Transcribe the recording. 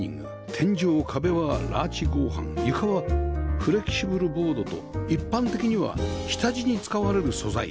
天井壁はラーチ合板床はフレキシブルボードと一般的には下地に使われる素材